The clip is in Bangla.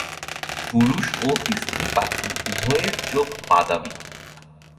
পুরুষ ও স্ত্রী পাখি উভয়ের চোখ বাদামি।